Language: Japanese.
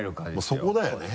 そこだよね。